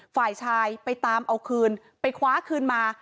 ฝ่ายชายไปตามเอาคืนไปคว้าคืนมา